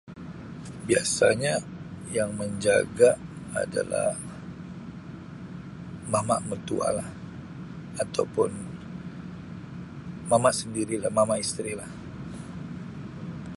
Biasanya yang menjaga adalah mama mertua lah atau pun mama sendiri lah mama isteri lah.